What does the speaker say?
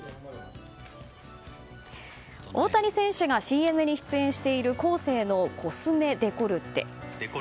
大谷選手がＣＭに出演しているコーセーのコスメデコルテ。